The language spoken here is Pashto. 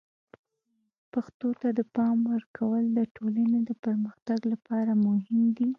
پښتو ته د پام ورکول د ټولنې د پرمختګ لپاره مهم دي.